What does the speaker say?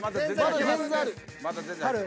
まだ全然ある。